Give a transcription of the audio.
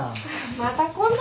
また今度。